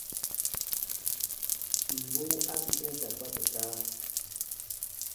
Ng ruu angkre ka kpatar kaa?